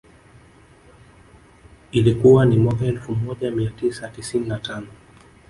Ilikuwa ni mwaka elfu moja mia tisa tisini na tano